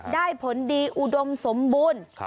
ผลดีอุดมสมบูรณ์